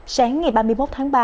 sáng ngày ba mươi một tháng ba